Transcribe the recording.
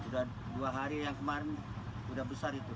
sudah dua hari yang kemarin sudah besar itu